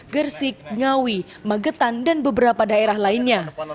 gersik ngawi magetan dan beberapa daerah lainnya